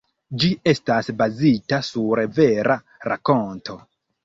Ĝi estas bazita sur vera rakonto.